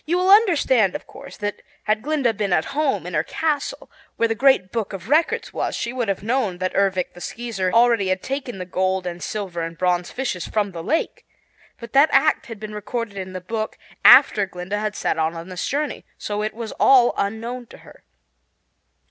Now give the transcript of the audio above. You will understand, of course, that had Glinda been at home in her castle, where the Great Book of Records was, she would have known that Ervic the Skeezer already had taken the gold and silver and bronze fishes from the lake. But that act had been recorded in the Book after Glinda had set out on this journey, so it was all unknown to her.